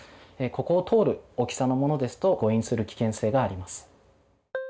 ここを通る大きさのものですと誤飲する危険性があります。